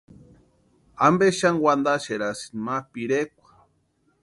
¿Ampe xani wantaxerasïni ma pirekwa?